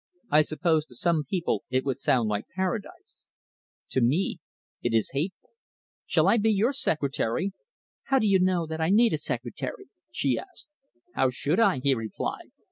I suppose to some people it would sound like Paradise. To me it is hateful. Shall I be your secretary?" "How do you know that I need a secretary?" she asked. "How should I?" he replied.